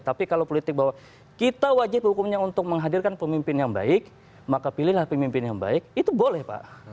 tapi kalau politik bahwa kita wajib hukumnya untuk menghadirkan pemimpin yang baik maka pilihlah pemimpin yang baik itu boleh pak